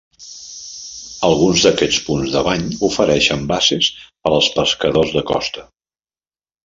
Alguns d"aquests punts de bany ofereixen bases per als pescadors de costa.